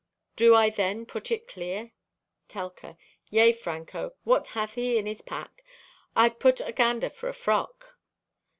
Do I then put it clear?" (Telka) "Yea, Franco, what hath he in his pack? I'd put a gander for a frock!"